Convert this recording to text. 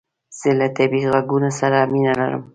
زه له طبیعي عږونو سره مینه لرم